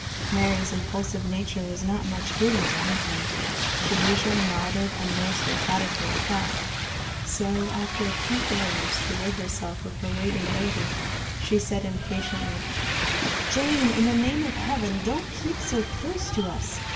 Mary's impulsive nature was not much given to hinting she usually nodded and most emphatically at that so after a few failures to rid herself of her waiting lady she said impatiently: "Jane, in the name of heaven don't keep so close to us.